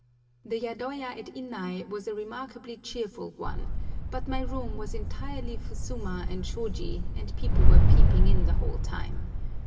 The yadoya at Innai was a remarkably cheerful one, but my room was entirely fusuma and shôji, and people were peeping in the whole time.